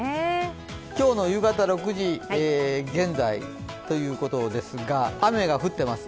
今日の夕方６時現在ということですが雨が降ってます、